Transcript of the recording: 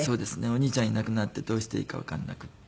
お兄ちゃんいなくなってどうしていいかわかんなくって。